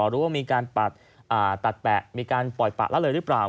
รู้ว่ามีการตัดแปะมีการปล่อยปะละเลยหรือเปล่า